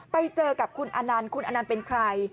ไปเจอกับคุณอนันต์คุณอนันต์เป็นใคร